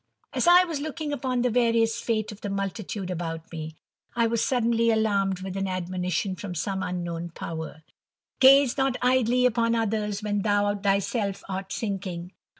As I was looking upon the various fate of the multitude about me, I was suddenly alarmed with an admonition from some unknown Power, "Gaze not idly upon others when "thou thyself art sinking.